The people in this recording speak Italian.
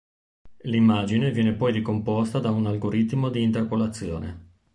L'immagine viene poi ricomposta da un algoritmo di interpolazione.